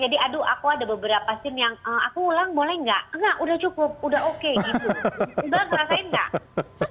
jadi aduh aku ada beberapa scene yang aku ulang boleh gak enggak udah cukup udah oke gitu